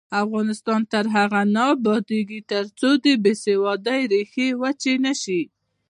افغانستان تر هغو نه ابادیږي، ترڅو د بې سوادۍ ریښې وچې نشي.